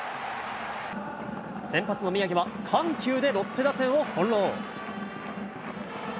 先発の宮城は、緩急でロッテ打線を翻弄。